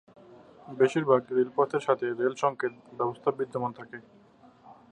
বেশিরভাগ রেলপথের সাথে রেল সংকেত ব্যবস্থাও বিদ্যমান থাকে।